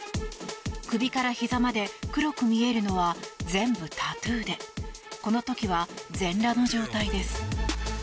首からひざまで黒く見えるのは全部タトゥーでこの時は全裸の状態です。